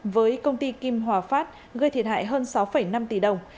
với công ty kim hòa phát gây thiệt hại hơn sáu năm tỷ đồng